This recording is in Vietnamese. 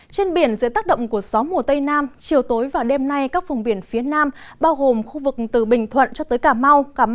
trên biển dưới tác động của gió mùa tây nam chiều tối và đêm nay các vùng biển phía nam bao gồm khu vực từ bình thuận cho tới cà mau